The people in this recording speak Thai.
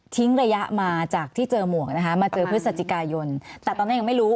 ระยะมาจากที่เจอหมวกนะคะมาเจอพฤศจิกายนแต่ตอนนั้นยังไม่รู้